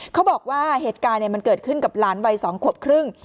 เขาบอกว่าเหตุการณ์มันเกิดขึ้นกับหลานวัย๒ขวบครึ่ง